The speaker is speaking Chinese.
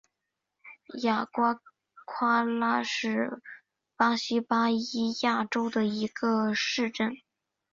雅瓜夸拉是巴西巴伊亚州的一个市镇。